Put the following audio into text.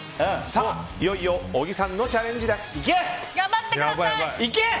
さあ、いよいよ小木さんのチャレンジです。